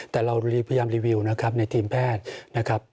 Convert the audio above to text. แต่เราพยายามรีวิวนะครับในทีมแพทย์นะครับ